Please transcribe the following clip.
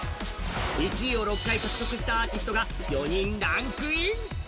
１位を６回獲得したアーティストが４人ランクイン。